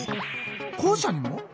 校舎にも？